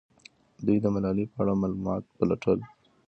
دوی د ملالۍ په اړه معلومات پلټل.